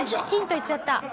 ヒント言っちゃった。